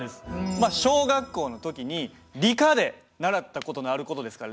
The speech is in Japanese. まあ小学校の時に理科で習った事のある事ですからね。